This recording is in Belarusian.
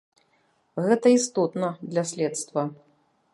Гэта істотна для следства.